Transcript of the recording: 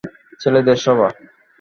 ছেলেদের সভা।